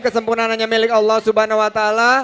kesempurnaannya milik allah swt